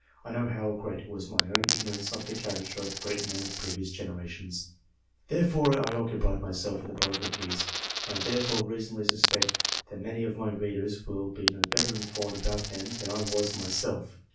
I know how great was my own ignorance of the character of the great men of previous generations, before I occupied myself with biographies, and I therefore reasonably suspect that many of my readers will be no better informed about them than I was myself.